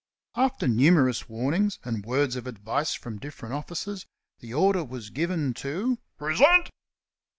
After numerous warnings and words of advice from different officers, the order was given to "Pre sent!"